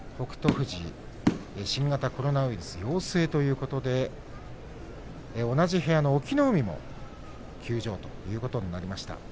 富士、新型コロナウイルス陽性ということで同じ部屋の隠岐の海も休場ということになりました。